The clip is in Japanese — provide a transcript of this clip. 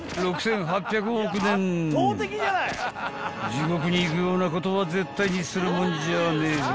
［地獄に行くようなことは絶対にするもんじゃねえぞ］